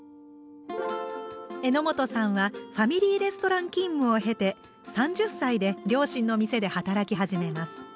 榎本さんはファミリーレストラン勤務を経て３０歳で両親の店で働き始めます。